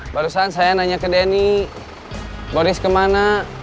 barusan saya nanya ke denny boris kemana